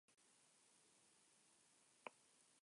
Fue miembro de la Academia Boliviana de la Lengua.